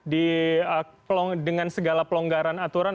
dengan segala pelonggaran aturan